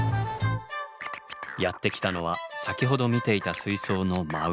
やって来たのは先ほど見ていた水槽の真上。